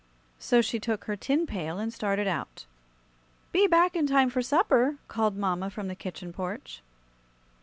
So she took her tin pail and started out. "Be back in time for supper," called mamma from the kitchen porch.